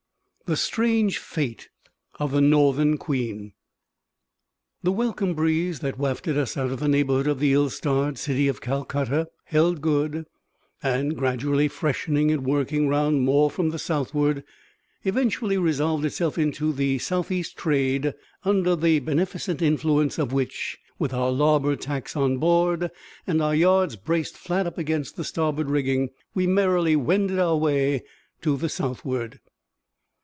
THE STRANGE FATE OF THE "NORTHERN QUEEN." The welcome breeze that wafted us out of the neighbourhood of the ill starred City of Calcutta held good, and, gradually freshening and working round more from the southward, eventually resolved itself into the south east trade, under the beneficent influence of which, with our larboard tacks on board and our yards braced flat up against the starboard rigging, we merrily wended our way to the southward.